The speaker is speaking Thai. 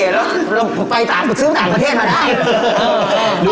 ไม่อย่างนี้สิเราไปซื้อต่างประเทศมาได้